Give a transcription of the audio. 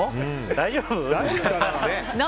大丈夫？